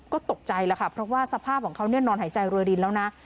ก็ตกใจแล้วค่ะเพราะว่าสภาพของเขาเนี่ยนอนหายใจรวยรินแล้วนะ